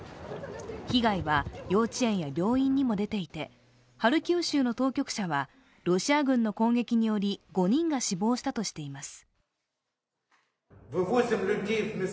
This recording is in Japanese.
被害は幼稚園や病院にも出ていてハルキウ州の当局者はロシア軍の攻撃により５人が死亡したとしています。